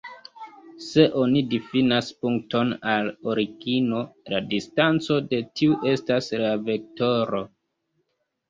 Se oni difinas punkton al origino, la distanco de tiu estas la vektoro.